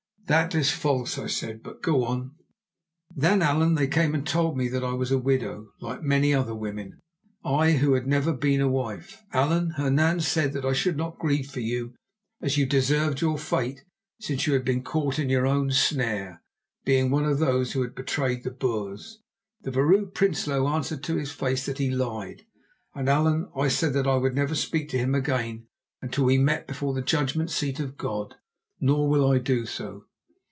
"That is false," I said; "but go on." "Then, Allan, they came and told me that I was a widow like many other women—I who had never been a wife. Allan, Hernan said that I should not grieve for you, as you deserved your fate, since you had been caught in your own snare, being one of those who had betrayed the Boers. The Vrouw Prinsloo answered to his face that he lied, and, Allan, I said that I would never speak to him again until we met before the Judgment Seat of God; nor will I do so."